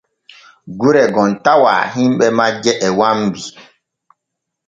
Gure gom tawa himɓe majje e wambi.